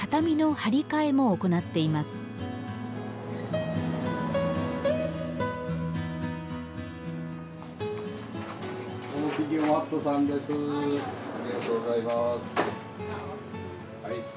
ありがとうございます。